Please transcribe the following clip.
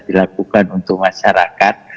dilakukan untuk masyarakat